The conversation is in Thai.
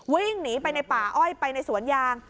วิ่งหนีไปในป่าอ้อยไปในสวนยาง